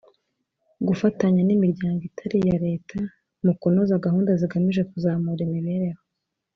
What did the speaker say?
gufatanya n Imiryango itari iya Leta mu kunoza gahunda zigamije kuzamura imibereho